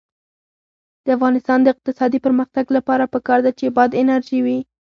د افغانستان د اقتصادي پرمختګ لپاره پکار ده چې باد انرژي وي.